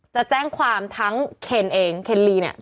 จะแจ้งความทั้งเคนเองเคนลีเนี่ย